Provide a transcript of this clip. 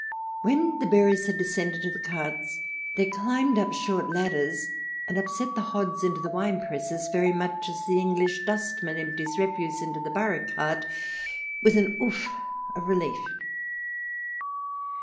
When the bearers had descended to the carts they climbed up short ladders and upset the hods into the winepresses, very much as an English dustman empties refuse into the borough cart, with an " Ouf !" of relief.